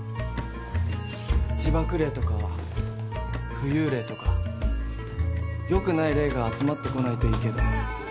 地縛霊とか浮遊霊とかよくない霊が集まってこないといいけど。